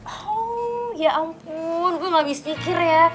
oh ya ampun gue gak bisa pikir ya